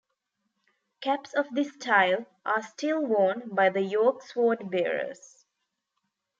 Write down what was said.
Caps of this style are still worn by the York Swordbearers.